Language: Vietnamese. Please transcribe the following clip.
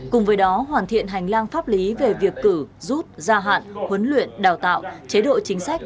cùng với đó hoàn thiện hành lang pháp lý về việc cử rút gia hạn huấn luyện đào tạo chế độ chính sách